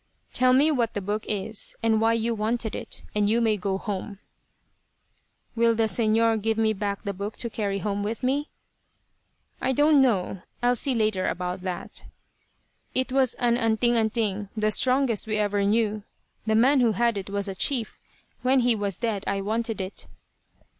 "Tell me what the book is, and why you wanted it; and you may go home." "Will the Señor give me back the book to carry home with me?" "I don't know. I'll see later about that." "It was an 'anting anting.' The strongest we ever knew. The man who had it was a chief. When he was dead I wanted it."